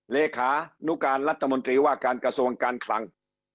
เลขานุการรัฐมนตรีว่าการกระทรวงการคลัง